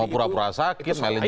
mau pura pura sakit meledak